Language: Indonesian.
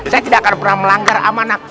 saya tidak akan pernah melanggar amanah